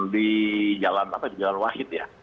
di jalan wahid ya